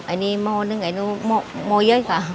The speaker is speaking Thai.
อันนี้ม่อนึงอันนูโมมโยยค่ะ